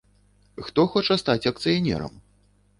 Хто хоча стаць акцыянерам?